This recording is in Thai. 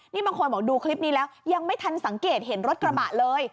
นี่บางคนบอกดูคลิปนี้แล้วยังไม่ทันสังเกตเห็นรถกระบะเลย